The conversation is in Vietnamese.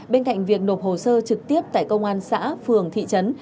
bên cạnh việc nộp hồ sơ trực tiếp tại công an xã phường thị trấn